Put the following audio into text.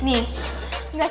nggak usah ngegas gitu